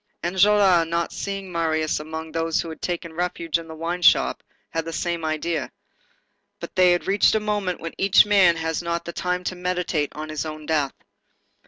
Enjolras, not seeing Marius among those who had taken refuge in the wine shop, had the same idea. But they had reached a moment when each man has not the time to meditate on his own death.